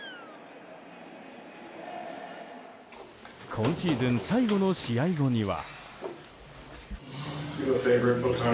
今シーズン最後の試合後には。